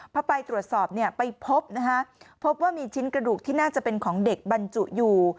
พอไปตรวจสอบเนี่ยไปพบนะฮะพบว่ามีชิ้นกระดูกที่น่าจะเป็นของเด็กบรรจุอยู่